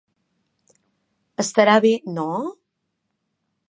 Estarà bé, no?